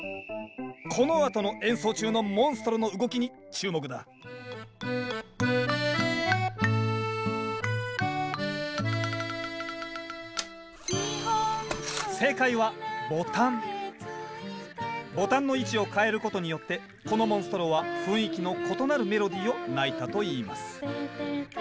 このあとの演奏中のモンストロの動きに注目だボタンの位置を変えることによってこのモンストロは雰囲気の異なるメロディーを鳴いたといいます